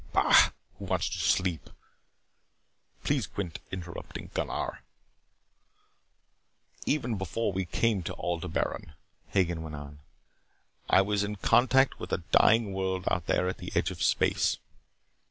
"Bah. Who wants to sleep? Please quit interrupting, Gunnar." "Even before we came to Aldebaran," Hagen went on, "I was in contact with a dying world out there at the edge of space.